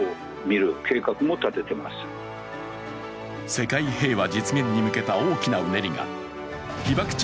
世界平和実現に向けた大きなうねりが被爆地